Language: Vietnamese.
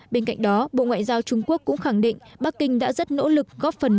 bên cạnh đó bộ ngoại giao trung quốc cũng khẳng định bắc kinh đã rất nỗ lực góp phần